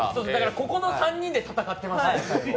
ここの３人で戦ってました。